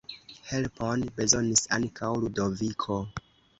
Helpon bezonis ankaŭ Ludoviko.